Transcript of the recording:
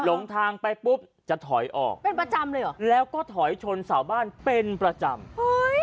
ลงทางไปปุ๊บจะถอยออกเป็นประจำเลยเหรอแล้วก็ถอยชนเสาบ้านเป็นประจำเฮ้ย